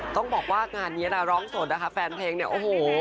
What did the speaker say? ต้องบอกว่างานนี้นะร้องสดนะคะแฟนเพลงเนี่ยโอ้โห